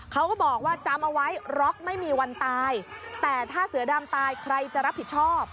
เขาก็บอกว่าจำเอาไว้ร็อกไม่มีวันตายแต่ถ้าเสือดำตายใครจะรับผิดชอบ